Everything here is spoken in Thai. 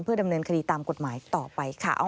ดำเนินคดีตามกฎหมายต่อไปค่ะ